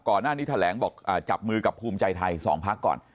ก่อนหน้านี้แถลงบอกจับมือกับภูมิใจไทย๒พักก่อน